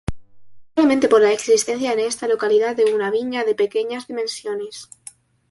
Posiblemente por la existencia en esta localidad de una viña de pequeñas dimensiones.